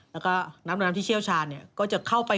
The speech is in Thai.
แล้วก็น้ำน้ำที่เชี่ยวชาญก็จะเข้าไป